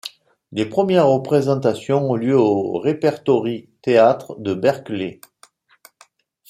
Les premières représentations ont lieu au Repertory Theatre de Berkeley.